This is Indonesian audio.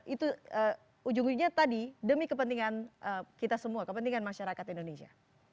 itu ujung ujungnya tadi demi kepentingan kita semua kepentingan masyarakat indonesia